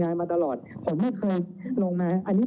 เรามีการปิดบันทึกจับกลุ่มเขาหรือหลังเกิดเหตุแล้วเนี่ย